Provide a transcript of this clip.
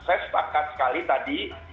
saya setakat sekali tadi